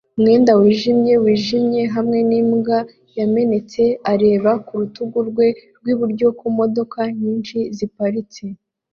umwenda wijimye wijimye hamwe nimbwa yamenetse areba ku rutugu rwe rwiburyo ku modoka nyinshi ziparitse